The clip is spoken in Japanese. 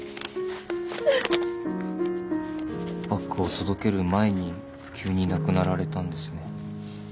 バッグを届ける前に急に亡くなられたんですね。